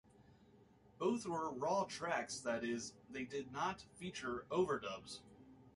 Both were "raw" tracks that is, they did not feature overdubs.